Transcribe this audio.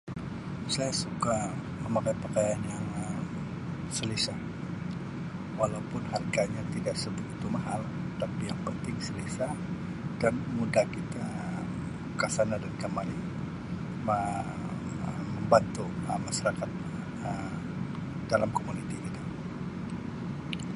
Saya suka memakai pakaian yang Um selesa walaupun harganya tidak sebegitu mahal tapi yang penting selesa dan mudah kita kesana dan kemari me-membantu masyarakat Um dalam komuniti kita.